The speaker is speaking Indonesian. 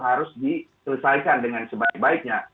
harus diselesaikan dengan sebaik baiknya